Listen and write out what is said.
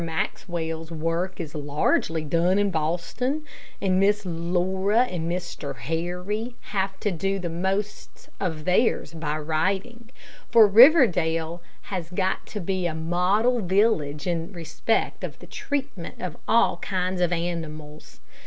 Maxwell's work is largely done in Boston, and Miss Laura and Mr. Harry have to do the most of theirs by writing, for Riverdale has got to be a model village in respect of the treatment of all kinds of animals.